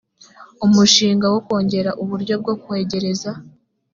umushinga wo kongera uburyo bwo kwegereza